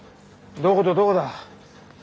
どことどこだ。